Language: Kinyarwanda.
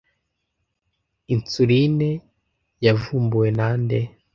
Insuline yavumbuwe na nde